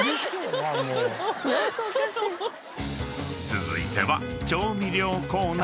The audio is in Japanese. ［続いては］